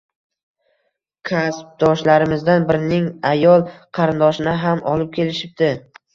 Kasbdoshlarimizdan birining ayol qarindoshini ham olib kelishibdi